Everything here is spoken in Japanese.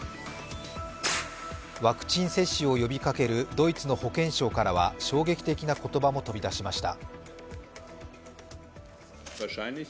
ワクチン接種を呼びかけるドイツの保健相からは衝撃的な言葉も飛び出しました。